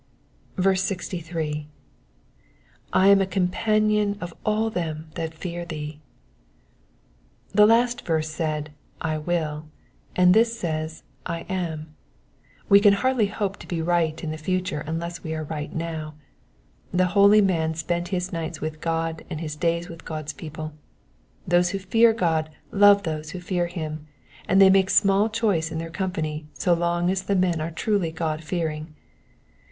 03. ''I am a companion of all them that fear t^." The last verse said, I will," and this says, I am." We can hardly hope to be right in the future unless we are right now. The holy man spent his nights with God and his days with G^d^s people. Those who fear God love those who fear him, and they make small choice in their company so long as the men are truly God fearing.